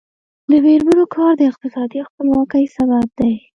د میرمنو کار د اقتصادي خپلواکۍ سبب دی.